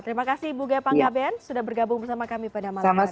terima kasih ibu ghea panggaben sudah bergabung bersama kami pada malam hari ini